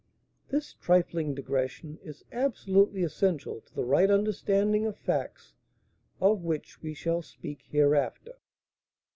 This trifling digression is absolutely essential to the right understanding of facts of which we shall speak hereafter.